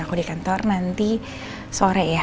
aku di kantor nanti sore ya